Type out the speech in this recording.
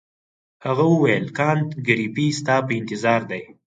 هغه وویل کانت ګریفي ستا په انتظار دی.